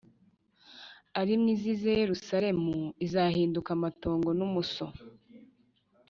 ari mwe izize Yerusalemu izahinduka amatongo n umuso